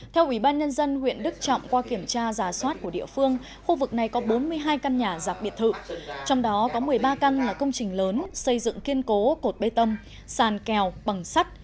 theo ủy ban nhân dân huyện đức trọng qua kiểm tra giả soát của địa phương khu vực này có bốn mươi hai căn nhà giạc biệt thự trong đó có một mươi ba căn là công trình lớn xây dựng kiên cố cột bê tâm sàn kèo bằng sắt